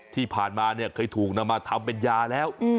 ที่ผ่านมาเนี่ยเคยถูกนำมาทำเป็นยาแล้ว